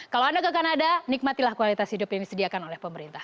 kalau anda ke kanada nikmatilah kualitas hidup yang disediakan oleh pemerintah